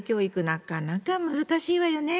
なかなか難しいわよね。